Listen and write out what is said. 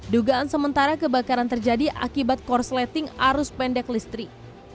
dugaan sementara kebakaran terjadi akibat korsleting arus pendek listrik